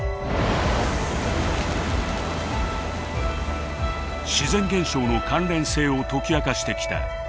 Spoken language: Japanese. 自然現象の関連性を解き明かしてきた地球科学の最前線。